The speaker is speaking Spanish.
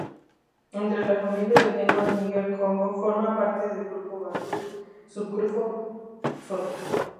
Entre la familia de lenguas níger-congo, forma parte del grupo bantú, subgrupo sotho.